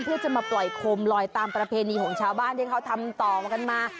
เพื่อจะมาปล่อยโคมลอยตามประเพณีของชาวบ้านที่เขาทำต่อกันมา